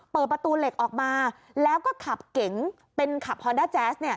เปิดประตูเหล็กออกมาแล้วก็ขับเก๋งเป็นขับฮอนด้าแจ๊สเนี่ย